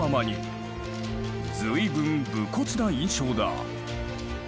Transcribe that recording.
随分武骨な印象だ。